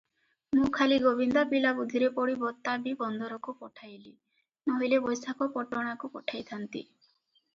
ମୁଁ ଖାଲି ଗୋବିନ୍ଦା ପିଲା ବୁଦ୍ଧିରେ ପଡ଼ି ବତାବୀ ବନ୍ଦରକୁ ପଠାଇଲି, ନୋହିଲେ ବୈଶାଖପଟଣାକୁ ପଠାଇଥାନ୍ତି ।